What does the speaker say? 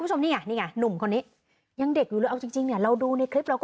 หนุ่มเท่านี้คุณผู้ชมการที่ดูทปสร้าง